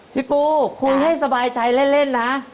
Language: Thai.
พี่ปูคุยให้สบายใจเล่นนะ